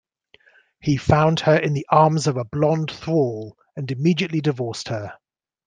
He found her in the arms of a blond thrall and immediately divorced her.